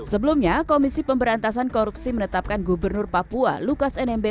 sebelumnya komisi pemberantasan korupsi menetapkan gubernur papua lukas nmb